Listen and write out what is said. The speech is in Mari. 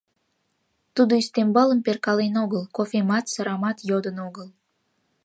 Тудо ӱстембалым перкален огыл, кофемат, сырамат йодын огыл.